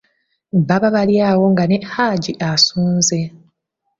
Baba bali awo nga ne Haji asonze.